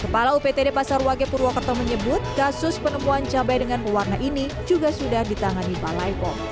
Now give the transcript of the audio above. kepala uptd pasar wage purwakerto menyebut kasus penemuan cabai dengan perwarna ini juga sudah ditangani pak laipo